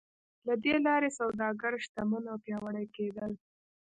له دې لارې سوداګر شتمن او پیاوړي کېدل.